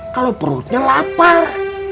kalau perutnya lapar